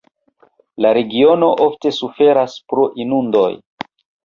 La regiono ofte suferas pro inundoj.